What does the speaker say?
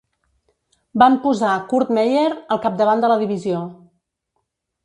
Van posar Kurt Meyer al capdavant de la divisió.